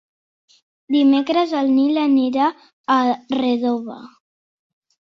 Dimecres en Nil anirà a Redovà.